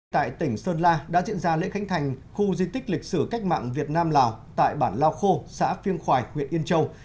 tại tỉnh sơn la đã diễn ra lễ khánh thành khu di tích lịch sử cách mạng việt nam lào tại bản lao khô xã phiêng khoài huyện yên châu